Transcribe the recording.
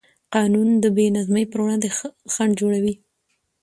قانون د بېنظمۍ پر وړاندې خنډ جوړوي.